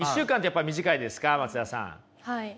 はい。